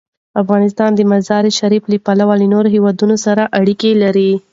افغانستان د مزارشریف له پلوه له نورو هېوادونو سره اړیکې لري.